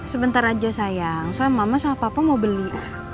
sebentar aja sayang saya mama sama papa mau beli